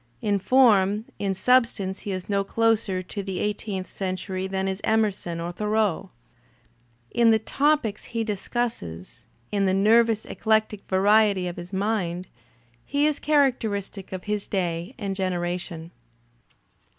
In form, in ^ substance he is no closer to the eighteenth century than is Emerson or Thoreau. In the topics he discusses, in the nervous eclectic variety of his mind, he is characteristic of his day and generation.